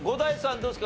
どうですか？